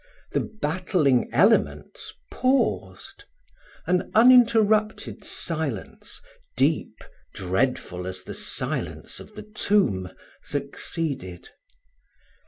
The battling elements paused: an uninterrupted silence, deep, dreadful as the silence of the tomb, succeeded.